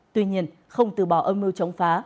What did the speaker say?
tuy nhiên không từ bỏ âm mưu chống phá